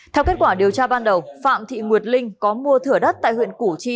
theo kết quả điều tra ban đầu phạm thị nguyệt linh có mua thửa đất tại huyện củ chi